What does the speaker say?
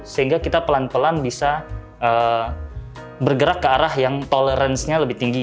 sehingga kita pelan pelan bisa bergerak ke arah yang toleransinya lebih tinggi